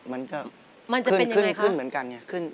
มันจะขึ้นเหมือนกัน